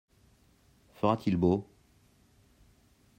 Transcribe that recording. Fera-t-il beau ?